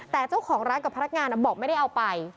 แต่เจ้าของร้านกับพนักงานบอกไม่ได้เอาไป